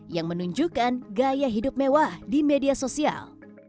yang menunjukkan gaya hidup mewah di media sosial